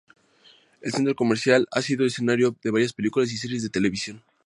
El centro comercial ha sido escenario de varias películas y series de televisión.